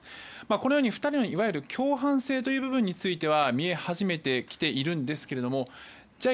このように２人のいわゆる共犯性の部分については見え始めてきているんですけれどもじゃあ